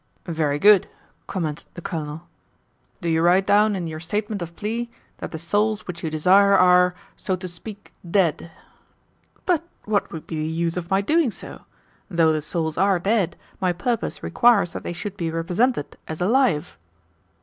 "Very good," commented the Colonel. "Do you write down in your Statement of Plea that the souls which you desire are, 'so to speak, dead.'" "But what would be the use of my doing so? Though the souls are dead, my purpose requires that they should be represented as alive."